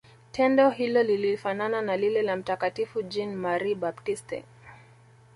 tendo hilo lilifanana na lile la mtakatifu jean marie baptiste